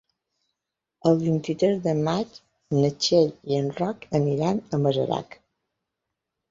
El vint-i-tres de maig na Txell i en Roc aniran a Masarac.